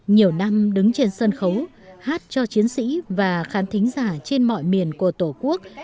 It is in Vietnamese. nhiều năm đứng trên sân khấu hát cho chiến sĩ và khán thính giả trên mọi miền của tổ quốc